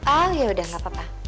oh yaudah gapapa